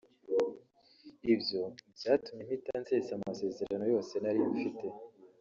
Ibyo byatumye mpita nsesa amasezerano yose nari mfite